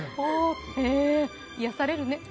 癒やされるね。